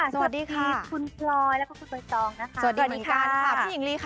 สวัสดีค่ะ